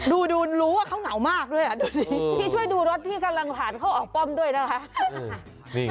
ดูรู้ว่าเขาเหงามากด้วยดูสิพี่ช่วยดูรถที่กำลังผ่านเข้าออกป้อมด้วยนะคะ